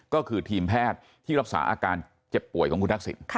ก็คือทีมแพทย์ที่รักษาอาการเจ็บป่วยของคุณทักษิณ